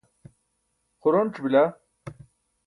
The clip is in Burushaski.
xuronc̣ bila.